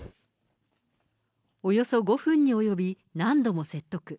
およそ５分に及び、何度も説得。